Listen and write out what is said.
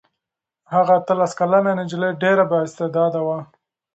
هغه اتلس کلنه نجلۍ ډېره بااستعداده وه.